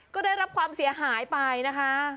ก็ได้รับความเสียหายไปนะคะ